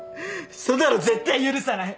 そんなの絶対許さない！